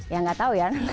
ya nggak tahu ya